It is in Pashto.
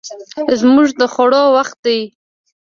زموږ د خوړو وخت دی